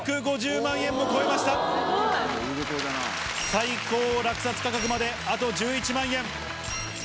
最高落札価格まであと１１万円。